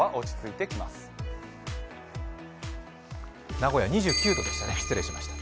名古屋２９度でしたね失礼しました。